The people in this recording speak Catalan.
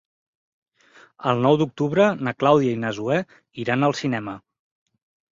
El nou d'octubre na Clàudia i na Zoè iran al cinema.